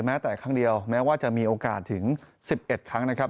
แม้แต่ครั้งเดียวแม้ว่าจะมีโอกาสถึง๑๑ครั้งนะครับ